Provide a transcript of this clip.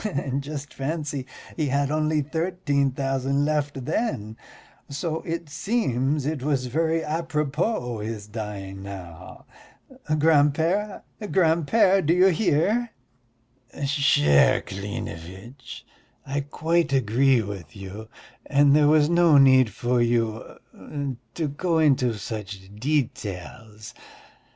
And just fancy, he had only thirteen thousand left then, so it seems it was very apropos his dying now. Grand père, grand père, do you hear?" "Cher Klinevitch, I quite agree with you, and there was no need for you ... to go into such details.